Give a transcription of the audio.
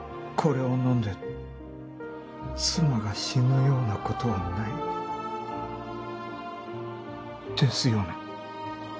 これを飲んで妻が死ぬようなことはないですよね？